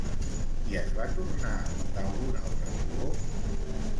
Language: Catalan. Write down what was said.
I es va tornar d'algun altre color?